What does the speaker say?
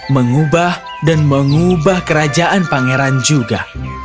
mengubah dan mengubah kerajaan pangeran juga